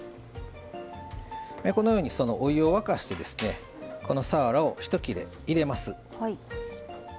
このようにお湯を沸かしてさわらを一切れ入れます。